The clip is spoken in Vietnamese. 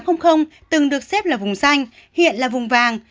học sinh lớp tám từng được xếp là vùng xanh hiện là vùng vàng